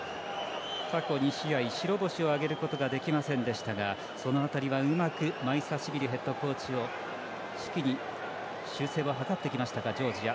過去２試合、白星をあげることができませんでしたがその辺りはうまくマイサシビリヘッドコーチが修正を図ってきましたジョージア。